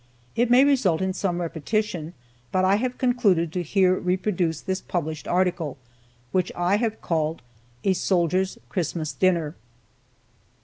It may result in some repetition, but I have concluded to here reproduce this published article, which I have called, "A Soldier's Christmas Dinner."